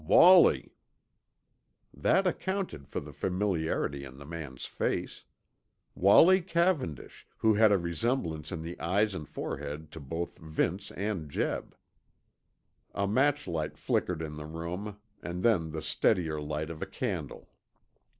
"Wallie." That accounted for the familiarity in the man's face. Wallie Cavendish, who had a resemblance in the eyes and forehead to both Vince and Jeb. A matchlight flickered in the room, and then the steadier light of a candle.